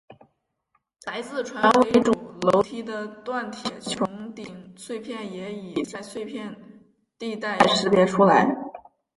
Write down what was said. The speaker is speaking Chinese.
来自船尾主楼梯的锻铁穹顶碎片也已在碎片地带识别出来。